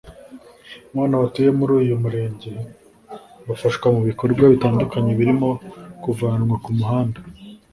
Mu bana batuye muri uyu murenge bafashwa mu bikorwa bitandukanye birimo kuvanwa ku muhanda